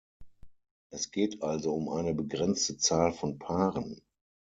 Es geht also um eine begrenzte Zahl von Paaren.